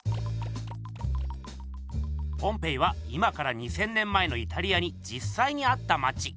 ポンペイは今から２，０００年前のイタリアにじっさいにあったまち。